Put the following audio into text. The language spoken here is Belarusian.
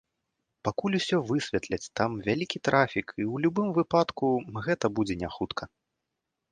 Пакуль усё высвятляць, там вялікі трафік, і ў любым выпадку, гэта будзе няхутка.